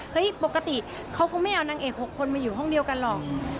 ปกติเขาคงไม่เอานางเอก๖คนมาอยู่ห้องเดียวกันหรอก